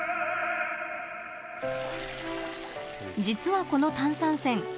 実はこの炭酸泉